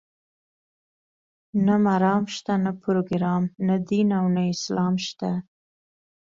نه مرام شته، نه پروګرام، نه دین او نه اسلام شته.